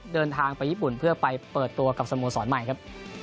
เดินทางไปญี่ปุ่นเพื่อไปเปิดตัวกับสโมสรใหม่ครับ